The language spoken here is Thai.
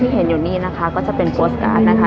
ที่เห็นอยู่นี้นะคะก็จะเป็นโปรสการ์ดนะคะ